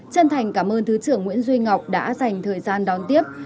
chân thành cảm ơn thứ trưởng nguyễn duy ngọc đã dành thời gian đón tiếp